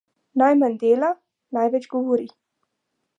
Najmanj dela, največ govori.